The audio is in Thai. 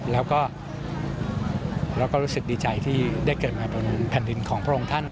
แล้วก็รู้สึกดีใจที่ได้เกิดมาบนแผ่นดินของพระองค์ท่าน